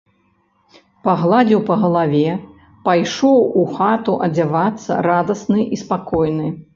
Пагладзіў па галаве, пайшоў у хату адзявацца, радасны і спакойны.